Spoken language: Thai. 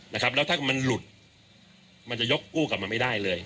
แล้วถ้ามันหลุดมันจะยกกู้กลับมาไม่ได้เลย